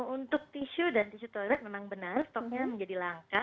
untuk tisu dan tisu toilet memang benar stoknya menjadi langka